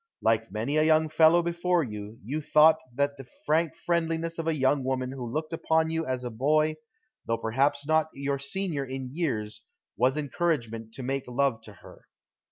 Like many a young fellow before you, you thought that the frank friendliness of a young woman who looked upon you as a boy, though perhaps not your senior in years, was encouragement to make love to her.